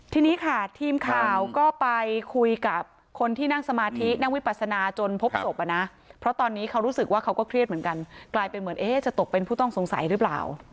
ทีนี้ค่ะทีมข่าวก็ไปคุยกับคนที่นั่งสมาธินั่งวิปัสนาจนพบศพอ่ะนะเพราะตอนนี้เขารู้สึกว่าเขาก็เครียดเหมือนกันกลายเป็นเหมือนจะตกเป็นผู้ต้องสงสัยหรือเปล่า